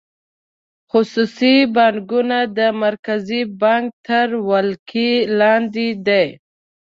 خصوصي بانکونه د مرکزي بانک تر ولکې لاندې دي.